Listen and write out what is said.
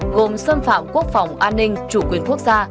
gồm xâm phạm quốc phòng an ninh chủ quyền quốc gia